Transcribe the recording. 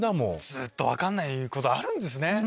ずっと分かんないことあるんですね。